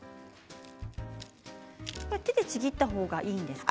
手でちぎった方がいいんですか？